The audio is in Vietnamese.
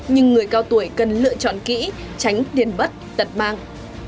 nhưng người cao tuổi cần lựa chọn kỹ tránh điền bất tật mang